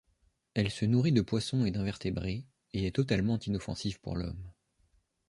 Elle se nourrit de poissons et d'invertébrés, et est totalement inoffensive pour l'homme.